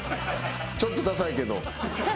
ちょっとださいけど。